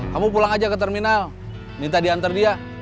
kamu pulang aja ke terminal minta diantar dia